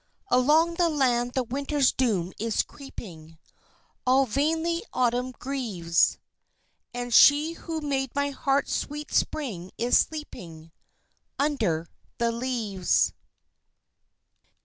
Along the land the Winter's doom is creeping All vainly Autumn grieves; And she who made my heart's sweet Spring is sleeping Under the leaves.